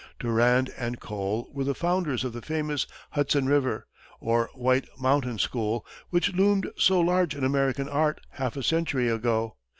Durand and Cole were the founders of the famous Hudson River, or White Mountain school, which loomed so large in American art half a century ago.